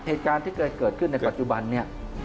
เหตุการณ์ที่เคยเกิดขึ้นในปัจจุบันนี้